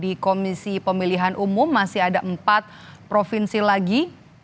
di komisi pemilihan umum masih ada empat provinsi lagi